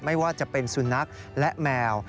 ไม่ว่าจะเป็นสุนัขและแมว